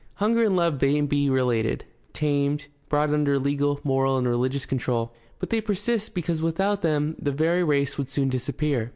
Hunger and love may be regulated, tamed, brought under legal, moral, and religious control; but they persist because without them the very race would soon disappear.